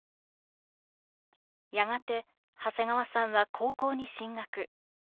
やがて長谷川さんは高校に進学。